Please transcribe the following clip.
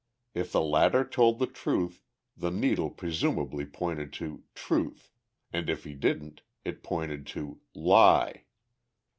If the latter told the truth, the needle presumably pointed to "Truth," and if he didn't, it pointed to "Lie."